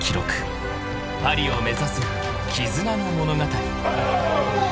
［パリを目指す絆の物語］